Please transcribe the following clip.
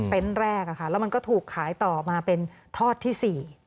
เป็นแรกแล้วมันก็ถูกขายต่อมาเป็นทอดที่๔